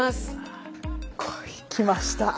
来ました。